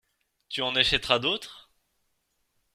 Tu en achèteras d’autres ?